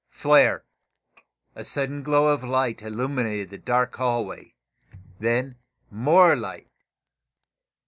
Flare! A sudden glow of light illumined the dark hallway. Then more light.